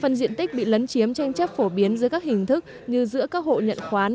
phần diện tích bị lấn chiếm tranh chấp phổ biến dưới các hình thức như giữa các hộ nhận khoán